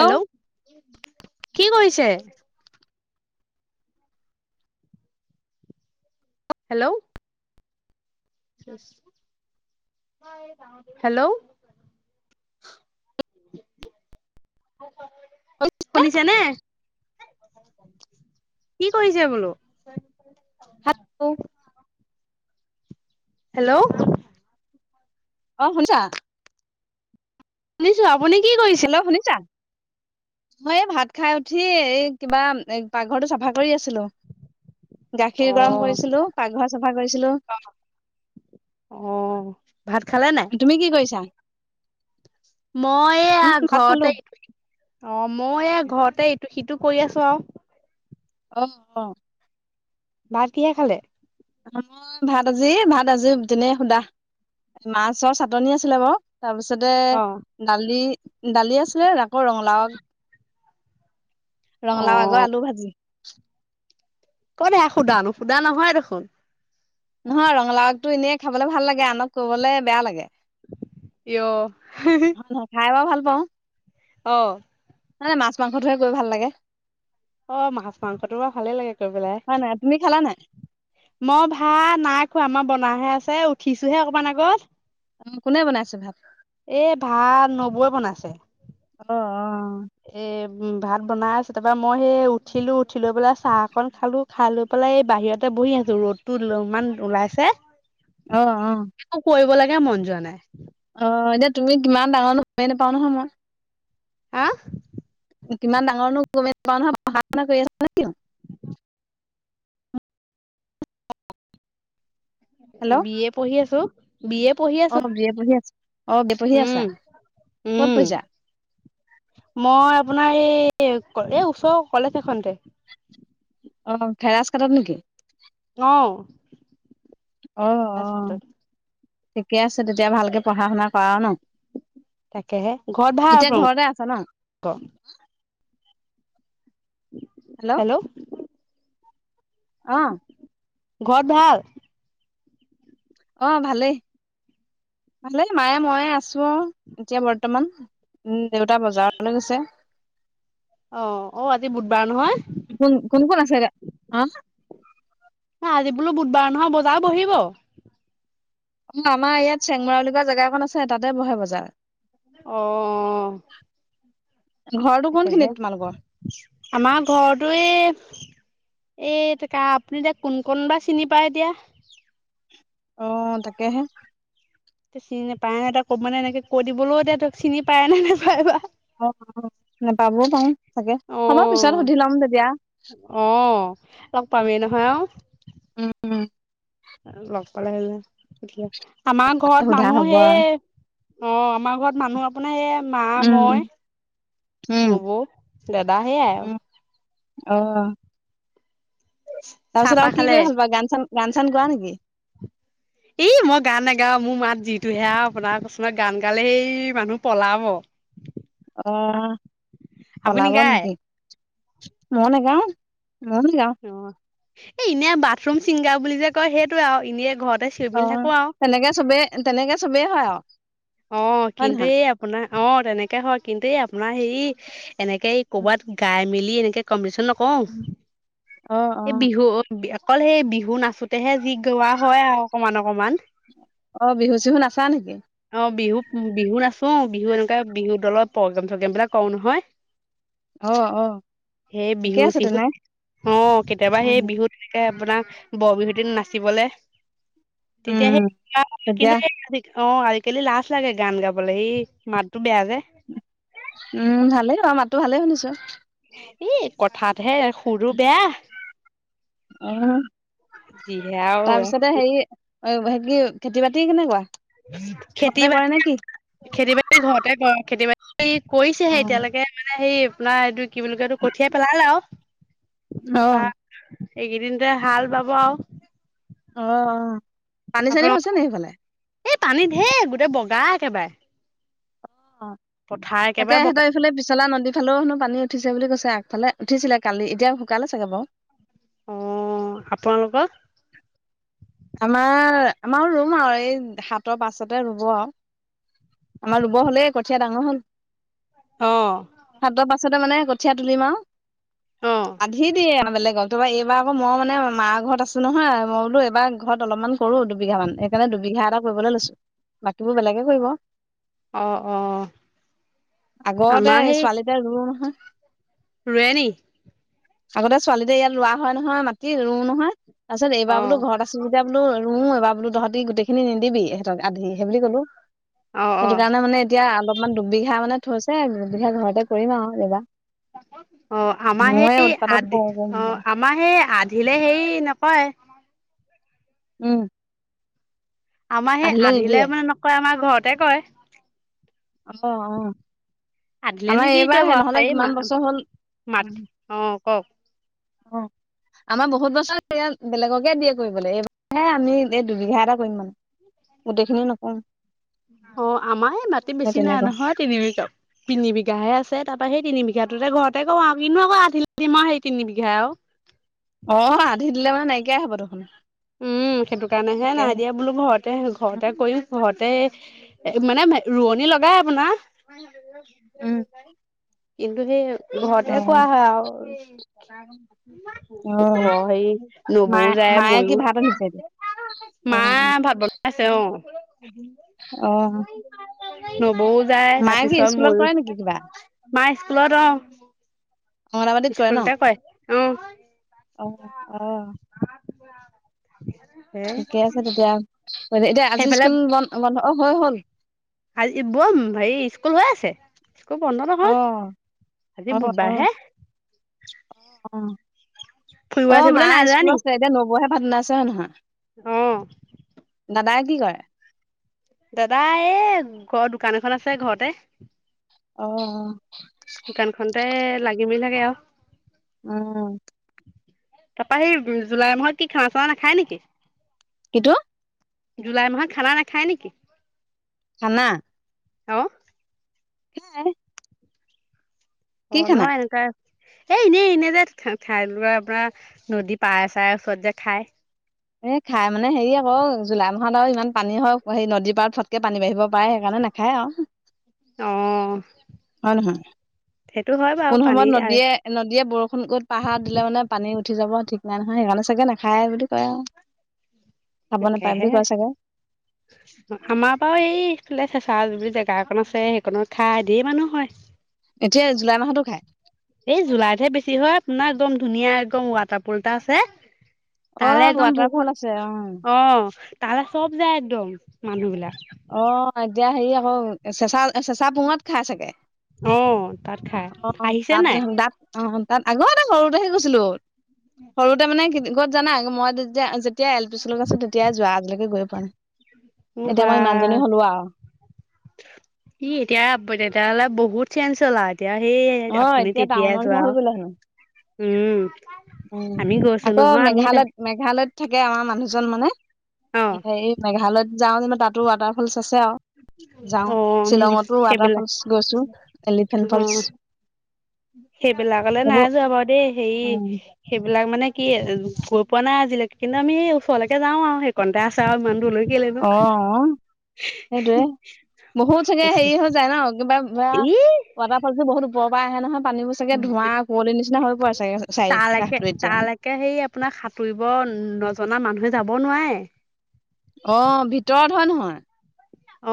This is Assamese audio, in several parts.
হেল্ল', কি কৰিছে? হেল্ল'। হেল্ল'। শুনিছা শুনিছে নে? কি কৰিছে বোলো? [unintelligible] হেল্ল'। অ', শুনিছা? শুনিছো, আপুনি কি কৰিছে? হেল্ল', শুনিছা? হয় এই ভাত খাই উঠি এই কিবা এ পাকঘৰটো চাফা কৰি আছিলোঁ। গাখীৰ অ গৰম কৰিছিলোঁ, পাকঘৰ চফা কৰিছিলোঁ। অ' ভাত খালে নাই? তুমি কি কৰিছা? মই এয়া উম ভাত খালো ঘৰতে [unintelligible] মই এ ঘৰতেই ত' সিটো কৰি আছো আৰু। অ', অ'। ভাত কিহে খালে? ভাত আজি ভাত আজি যেনে সুধা। মাছৰ চাটনি আছিলে বাৰু। তাৰপিছতে অ দালি, দালি আছিলে ৰাকৌ ৰঙালাও অ ৰঙালাও [unintelligible] আলু ভাজি। ক'ত এয়া সুদা নো সুদা নহয় দেখোন। নহয় ৰঙালাওটো এনে খাবলে ভাল লাগে আনক ক'বলে বেয়া লাগে। কিয়? [unintelligible] বাৰু ভাল পাওঁ। অ'। মানে মাছ মাংসটোৱে কৈ ভাল লাগে। অ', মাছ মাংসটো বাৰু ভালে লাগে কৈ পেলাই। হয় নাই? তুমি খালা নাই? মই ভাত নাই খোৱা মই বনাহে আছে উঠিছোঁহে অকমান আগত। কোনে বনাইছে ভাত? এ ভাত নবৌৱে বনাইছে। অ', অ'। এম, ভাত বনাই আছে তাৰপা মই সে উঠিলোঁ উঠি লৈ পেলাই চাহকন খালোঁ। খাই লৈ পেলাই বাহিৰতে বহি আছোঁ ৰ'দটো [unintelligible] ইমান ওলাইছে। অ', অ'। একো কৰিব লাগে মন যোৱা নাই। অ'এনে তুমি কিমান ডাঙৰনো গমে নাপাও নহয় মই। আ? কিমান ডাঙৰনো গমে নাপাওঁ [unintelligible] বি এ পঢ়ি আছোঁ। অ'বি এ পঢ়ি আছ, অ' বে পঢ়ি আছা। উম ক'ত উম পঢ়িছা? মই আপোনাৰ এ এই ওচৰৰ কলেজ এখনতে। অ'থেৰাচ কাটত নেকি? [unintelligible] অ' অ' ঠিকে আছে তেতিয়া ভালকে পঢ়া-শুনা কৰা ন'। তাকেহে ঘৰত এতিয়া ভাল ঘৰতে আছা ন [unintelligible] হেল্ল' অ', ঘৰত ভাল? অ'ভালে, ভালে মায়ে ময়ে আছোঁ অ'এতিয়া বৰ্তমান। উম, দেউতা বজাৰলে গৈছে। অ'অ'আজি বুধবাৰ নহয়। কোন-কোন-কোন আছে গা [unintelligible] এ আজি বোলো বুধবাৰ নহয় বজাৰ বহিব? আমাৰ ইয়াত চেংমৰা বুলি কোৱা জেগা এখন আছে তাতে বহে বজাৰ। অ', ঘৰটো কোন তাকেহে খিনিত তোমালোকৰ? আমাৰ ঘৰতো এ এ এতিয়া কা আপুনি এতিয়া কোন, কোন বা চিনি পায় এতিয়া। অ'তাকেহে। তে চিনি নেপাই ন' এতিয়া কব মানে এনেকে কৈ দিবলৈও এতিয়া তোক চিনি পায় নে নাই নোপায় বা। নোপাবও পাৰো চাগে অ হ'ব পিছত সুধি লম তেতিয়া। অ' লগ পামেই নহয় আৰু উম, উম। লগ পালে [unintelligible] আমাৰ ঘৰত সোধা মানুহ হ'ব আৰু সেয়ে অ' আমাৰ ঘৰত মানুহ আ আপোনাৰ এইয়া মা, উম, মই, উম, নবৌ, দাদা সেয়াই আৰু উম, অ', চাহ তাৰপিছত তাহ আৰু কি খালে কৰি ভাল পোৱা গান চান, গান চান গোৱা নেকি? এই মই গান নাগাও মোৰ মাত যিটো হেয়া আপোনাৰ [unintelligible] গান গালে সেই মানুহ পলাব। আপুনি অ'পলাব গায় নেকি? মই নেগাও মই [unintelligible] অ' এ এনেই বাথৰুম চিংগাৰ বুলি যে কয় সেইটো আৰু এনেই ঘৰতে চিঞৰি মেলি থাকো আৰু অ'তেনেকে চবেই, তেনেকে চবেই হয় আৰু হয় অ'কিন্তু নহয়? এই আপোনাৰ অ'তেনেকে হয় কিন্তু এই আপোনাৰ হেৰি এনেকে এই ক'বাত গাই মেলি এনেকে কম্পিটিচন কওঁ অ' এই অ' বিহু অকল সেই বিহু নাচোতেহে যি গোৱা হয় আও অকমান, অকমান। অ' বিহু চিহু নাচা নেকি? অ'বিহু-বিহু নাচো বিহু এনেকুৱা বিহুৰ দলত প্ৰগ্ৰেম -চগ্ৰেম বিলাক কৰোঁ নহয় অ' অ' সেই ঠিকে বিহু আছে চিহুত তেনে অঁ কেতিয়াবা সেই উম, বিহুত- তেনেকে আপোনাৰ বৰ বিহুতিত নাচিবলে- উম, তেতিয়া সেই কিন্তু তেতিয়া অঁ আৰ- কেলে লাজ লাগে গান গাবলৈ সেই মাতো বেয়া যে- উমঁ ভালে বাৰু মাতো ভালে শুনিছোঁ। এ কথাতহে সুৰো বেয়া- অঁ যিহে আৰু তাৰপিছতে হেৰি- অঁ হে কি খেতি বাতি কেনেকুৱা? খেতি ঘৰতে কৰে বাতি নে কি? খেতি বাতি ঘৰতে কৰে খেতি বাতি- খেতি অ কৰিছেহে এতিয়ালৈকে মানে হে আপোনাৰ এইটো- কি বুলি কই এটো কঠিয়াই পেলালে আৰু তাৰপা - এইকেইদিনতে হাল বাব আৰু অঁ অঁ! আপোনালোকৰ এই পানীত ঢেৰ গোটেই বগা একেবাৰে। অঁ পথাৰ তাকে একেবাৰে বগা ইহঁতৰ এইফালে পিচলা নদীত। আগফালেও হেনো পানী উঠিছে বুলি কৈছে আগফালে উঠিছিলে কালি এতিয়া শুকালে চাগে বাও। অঁ আপোনালোকৰ- আমাৰ আমাৰ ৰুম আৰু এই সাতৰ পাছতে ৰুব আৰ আমাৰ ৰুব হ'লে কঠীয়া ডাঙৰ হ'ল। অঁ। সাতৰ পাছতে মানে কঠীয়া তুলিম আৰু অ আধি দিয়ে বেলেগক। তাৰপা এইবাৰ আকৌ মই মানে মা ঘৰত আছোঁ নহয় মই বোলো এইবাৰ- ঘৰত অলপমান কৰো দুবিঘা মান সেইকাৰণে দুবিঘা এটা কৰিবলৈ লৈছো বাকীবোৰ বেলেগে কৰিব। অঁ অঁ আমাৰ সেই- এতিয়া ৰুৰ নহয়- ৰুয়ে নি? আগতে ছোৱালীতে ইয়াত লোৱা হয়ঁ নহয় মাতি ৰুও নহয় তাৰপিছত অ এইবাৰ বোলো ঘৰতে- সুমিত্ৰা বোলো ৰুও এবাৰ বোলে তহঁতি গোটেইখিনি নিদিবি এহেতক আধি সেই বুলি কলোঁ। অ অ সেইটো কাৰণে মানে এতিয়া অলপমান দুবিঘা মানে থৈছে দুবিঘা ঘৰতে কৰিম আৰু এবা। অঁ আমাৰ সেই আধি কৰো কৰো অঁ মুঠতে আমাৰ সেই আধিলে সেই নকয়। উমঁ! আমাৰ সেই আধিলে নিদিয়ে মানে নকৰে আমাৰ ঘৰতে কৰে। আছ অঁ। আধিলে নো আমাৰ কি কৰিব এইবাৰহে আৰু নহলে এই মা কিমান বছৰ হ'ল মাত উমঁ! অ ক অঁ! আমাৰ বহুত বছৰ বেলেগকে দিয়ে কৰিবলৈ এইবাৰহে আমি এই দুবিঘা এটা কৰিম মানে। গোটেইখিনি নকৰোঁ। অঁ আমাৰ সেই মাটি বেছি নাই তেনেকুৱা নহয় তিনিবিঘা- তিন বিঘাহে আছে তাপা সেই তিনিবিঘাটোকে ঘৰতে কৰো কিনো আকৌ আধিলৈ দিম মই সেই তিন বিঘাই আও। অঁ আধি দিলে মানে নাইকিয়াই হ'ব দেখোন। উমঁ সেইটো কাৰণে হে তাকেহে নাই দিয়া বোলো ঘৰত। তাতে ঘৰতে কৰিম ঘৰতে এ মানে ৰোৱনী লগাই- আপোনাৰ উম কিন্তু সেই অ ঘৰতে কৰা হঁয় আও। অ অঁ হেৰি নবৌও যায় মইও- পাগল হৈছে এইটো। মা ভাত বনাইছে অ অ নবৌও যায় মায়ে কি তাৰপিছত স্কুলত ময়ো, কৰে নেকি কিবা? মাই স্কুলত অ অঙ্গনাবাদিত কৰে ন স্কুলতে অ অ অ হে ঠিকে আছে তেতিয়া এতিয়া আজি সেইফালে স্কুল বন্ধ বন্ধ অ হ'ল হ'ল আজি বৌ হেৰি স্কুল গৈ আছে স্কুল বন্ধ অ নহয় অ আজি অ বুধবাৰ হে অ ফুৰিব অ আছে মা বোলে নাযায় স্কুলত নি আছে এতিয়া নবৌহে ভাত বনাইছে হয় নহয় অ দাদাই কি কৰে দাদা এ ঘৰৰ দোকান এখন আছে ঘৰতে অ অ দোকানখনতে লাগি মেলি থাকে আও উম তাৰপৰা সেই জুলাই মাহত কি খানা চানা নাখায় নেকি কিটো জুলাই মাহত খানা নাখায় নেকি খানা অ খাই অ নহয় এনেকা এই এনেই এনেই যে ঠাই লোৱা আপোনাৰ নদী পাৰে চাৰে ওচৰত যে খায় এ খাই মানে হেৰি আকৌ জুলাই মাহত আৰু ইমান পানী হয় সেই নদীৰ পাৰত ফটকে পানী বাঢ়িব পায় সেইকাৰণে নাখায় আও অ হয় নহয় সেইটো হয় বাৰু কোন পানী সময়ত নদীয়ে নদীয়ে বৰষুণ কত পাহাৰ দিলো মানে পানী উঠি যাব ঠিক নাই নহয় সেইকাৰণে চাগে নাখায় বুলি কয় আও তাকেহে চাগে আমাৰ বাৰু এইফালে চেঁচা বুলি জেগা একন আছে সেইকনত খাই ধেৰ মানুহ হয় এতিয়া জুলাই মাহতো খায় এই জুলাইতহে বেছি হয় আপোনাৰ একদম ধুনীয়া একদম ৱাটাৰ পুল এটা আছে অ তালে একদম ৱাটাৰ বহুত ফল আছে অ অ তালে চব যায় একদম মানুহ বিলাক অ এতিয়া হেৰি আকৌ চেঁচা, চেঁচা পোঙাত খাই চাগে, অ তাত খাই অ', আহিছে নাই তাত, দাত অ', তাত আগতে সৰুতেহে গৈছিলো, সৰুতে মানে ক'ত জানা, মই যেতিয়া যেতিয়া এল পি স্কুলত আছিলো তেতিয়াই যোৱা, আজিলৈকে গৈ পোৱা নাই। মোৰ বা জনী হ'লো আও। ই, এতিয়া তেতিয়াহ'লে বহুত চেঞ্জ হ'লাও। এতিয়া সেইয়ে, অ আপুনি এতিয়া তেতিয়াই টাউনৰ নিচিনা যোৱা, হৈ গলো হেনো উম। উম, আমি গৈছো আকৌ নহয় আমি তাক মেঘালয়ত মেঘালয়ত থাকে আমাৰ মানুহজন মানে, অ সেই মেঘালয়ত যাওঁ যেন তাত তো, ৱাটাৰফল আছে আও যাওঁ, অ আমি শ্বিলঙতো ৱাটাৰ সেইবিলাক ফলচ গৈছো, অ এলিফেন্ট ফলচ সেইবিলাকলে নাই সেইবোৰ যোৱা বাৰু দেই সেই উম সেইবিলাক মানে কি, গৈ পোৱা নাই আজিলৈকে, কিন্তু আমি এই ওচৰলৈকে যাও আও, সেইকণতে আছে, আও ইমান দূৰলৈ কেলে নো? অ ' [inaudible] অ সেইটোয়ে বহুত চাগে হেৰি হৈ যায় ন', কিবা ই ৱাটাৰ ফলটো বহুত ওপৰ পৰা আহে নহয়, পানীবোৰ চাগে ধোঁৱা, কুঁৱলিৰ নিচিনা হৈ পৰে চাগে, চাই কষটো এতিয়া? তাকে হেৰি আপোনাৰ, সাঁতুৰিব নজনা মানুহে যাব নোৱাৰে। অঁ', ভিতৰত হয় নহয়?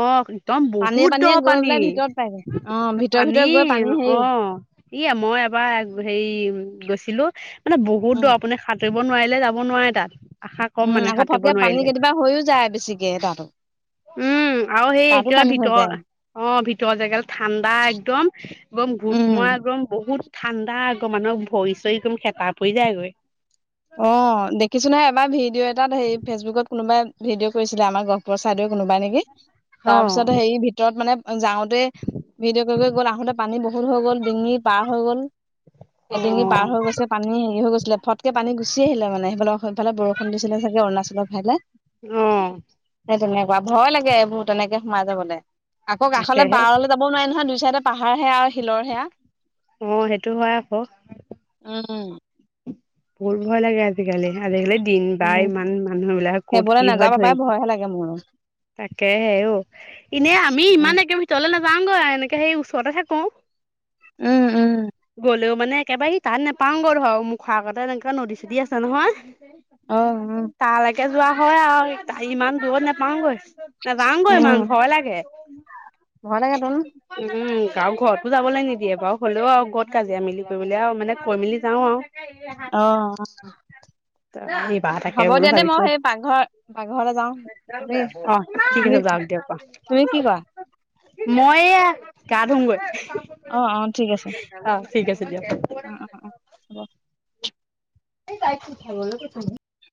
অঁ একদম পানীয়ে বহুত দ' পানীয়ে গৈ পানী, পেলাই ভিতৰত পায়গে অ ভিতৰে ভিতৰে পানী গৈ হেৰি অঁ'। ই, মই এবাৰ, হেৰি গৈছিলো, মানে বহুত দ' উম আপুনি সা সাতুৰিব নোৱাৰিলে যাব নোৱাৰে তাত। আশা কম উম, মানে আকৌ সাঁতুৰিব ফতকে পানী নোৱাৰিলে কেতিয়াবা হৈয়ও যায়, বেছিকে তাতো। উম আৰু সেই তাতো এতিয়া, পানী হৈ যায় ভিতৰ, অ', ভিতৰ জেগালে ঠাণ্ডা একদম। একদম ভূত উম মৰা, একদম বহুত ঠাণ্ডা আকৌ মানুহৰ ভৰি চৰি একদম হেতা পৰি যায়গৈ। অঁ দেখিছো নহয় এবাৰ, ভিডিঅ' এটাত হেৰি, ফেচবুকত কোনোবাই ভিডিঅ' কৰিছিলে, আমাৰ গহপুৰৰ চাইদে কোনোবা নেকি, অ তাৰপিছত হেৰি ভিতৰত মানে যাওঁ তে, ভিজিঅ' কৰি কৰি গ'ল, আহোতে পানী বহুত হৈ গ'ল, ডিঙি পাৰ হৈ গ'ল। এডিঙি পাৰ হৈ অ গৈছে পানী হেৰি হৈ গৈছিলে, ফটকে পানী গুচি আহিলে মানে, সেইফালে, সেইফালে বৰষুণ দিছিলে চাগে অৰুণাচলৰ ফালে। অঁ'। হে তেনেকুৱা, ভয় লাগে এইবোৰ তেনেকে সোমাই যাবলে, আকৌ কাষলে তাকেহে বাৰল যাব নোৱাৰে নহয়, দুই চাইডে পাহাৰ হে আ, শিলৰহে আ। অঁ সেইটো হয় আকৌ। উম। বহুত ভয় লাগে আজিকালি, আজিকালি দিন, বাৰ, উম ইমান মানুহ বিলাক, ক'ত সেইবোৰলে কি নাযাব হয়, পাই ধৰি [unintelligible] তাকে হে, ঔ', এনে আমি ইমান উম একে ভিতৰলে নাযাওগৈ এনেকে সেই ওচৰতে থাকোঁ। উম গলেও মানে একেবাৰে সেই তাত নোপাওঁগৈ ধৰক, মুখৰ আগতে এনেকুৱা নদী-চদী আছে নহয়, অ উম তালৈকে কে যোৱা হয় আও, ইমান দূৰত নেপাওঁগৈ। নযাওগৈ ইমান, উম ভয় লাগে। ভয় লাগে তোন উম, আৰু ঘৰতো যাবলৈ নিদিয়ে বাৰু, হ'লেও আও ঘৰত কাজিয়া মিলি কৰিলে আও মানে কৈ মেলি যাওঁ আওঁ। [unintelligible] অঁ'। এইবাৰ তাকে হ'ব বোলো দিয়া দেই, মই ভাবিছো সেই পাকঘৰ, পাকঘৰলৈ যাওঁ দেই, অ ঠিক আছে তুমি যাওক দিয়ক অ তুমি কি কৰা? মই এইয়া, গা ধুমগৈ। অঁ অঁ ঠিক আছে। অ ঠিক আছে দিয়া। অঁ অঁ অঁহ হ'ব। [unintelligible]